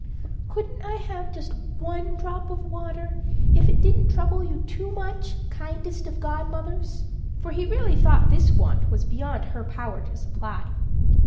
"Couldn't I have just one drop of water, if it didn't trouble you too much, kindest of godmothers?" For he really thought this want was beyond her power to supply.